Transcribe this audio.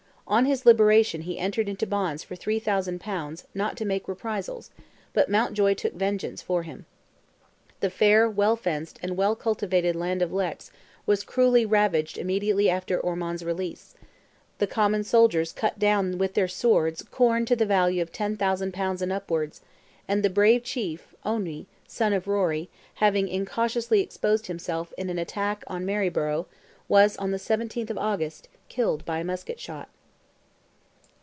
On his liberation he entered into bonds for 3,000 pounds not to make reprisals, but Mountjoy took vengeance for him. The fair, well fenced, and well cultivated land of Leix was cruelly ravaged immediately after Ormond's release—the common soldiers cut down with their swords "corn to the value of 10,000 pounds and upwards," and the brave chief, Owny, son of Rory, having incautiously exposed himself in an attack on Maryborough, was, on the 17th of August, killed by a musket shot.